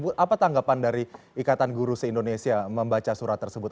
bu apa tanggapan dari ikatan guru se indonesia membaca surat tersebut